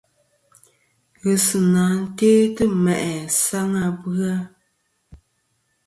Ghesɨnà te'tɨ ma'i asaŋ a bɨ-a.